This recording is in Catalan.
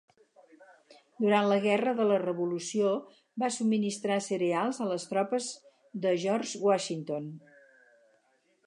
Durant la Guerra de la Revolució, va subministrar cereals a les tropes de George Washington.